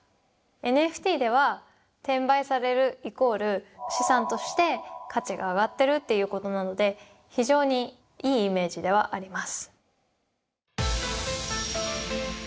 ＮＦＴでは転売されるイコール資産として価値が上がってるっていうことなので非常にいいイメージではあります。